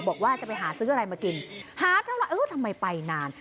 บอกว่าจะไปหาซื้ออะไรมากินหาเท่าไหร่เออทำไมไปนาน